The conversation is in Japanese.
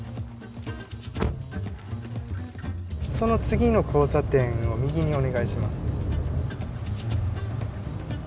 その次の交差点を右にお願いします。